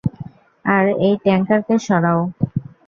আর এই ট্যাঙ্কারকে সরাও।